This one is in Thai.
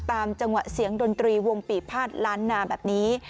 จังหวะเสียงดนตรีวงปีภาษล้านนาแบบนี้